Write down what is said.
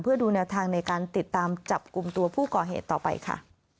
เพื่อดูแนวทางในการติดตามจับกลุ่มตัวผู้ก่อเหตุต่อไปค่ะ